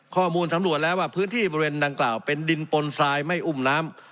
ข้อมูลสำรวจแล้วว่าพื้นที่บริเวณดังกล่าวเป็นดินปนทรายไม่อุ้มน้ำ